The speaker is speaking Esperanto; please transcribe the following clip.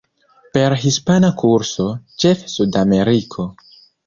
Per hispana kurso, ĉefe Sudameriko.